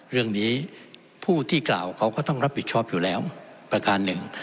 เรื่องนี้ผู้ที่กล่าวเขาก็ต้องรับผิดชอบอยู่แล้วประการหนึ่ง